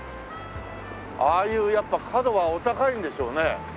ああいうやっぱ角はお高いんでしょうね。